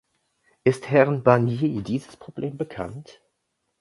Ist Herrn Barnier dieses Problem bekannt?